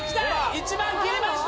１万切りました